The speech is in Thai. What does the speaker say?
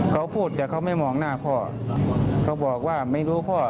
เขาพูดแต่เขาไม่มองหน้าพ่อเขาบอกว่าไม่รู้พ่อ